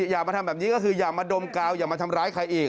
อย่ามาทำแบบนี้ก็คืออย่ามาดมกาวอย่ามาทำร้ายใครอีก